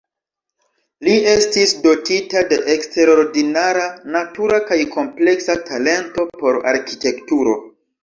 Li estis dotita de eksterordinara, natura kaj kompleksa talento por arkitekturo.